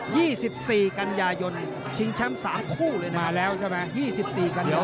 ี่สิบสี่กันยายนชิงแชมป์สามคู่เลยนะมาแล้วใช่ไหมยี่สิบสี่กันยายน